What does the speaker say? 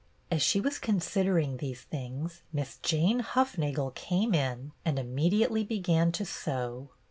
As she was considering these things Miss Jane Hufnagel came in and immediately be gan to sew.